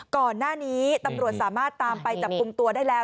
ก่อนหน้านี้ตำรวจสามารถตามไปจับกลุ่มตัวได้แล้ว